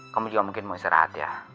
kamu juga mungkin mau istirahat ya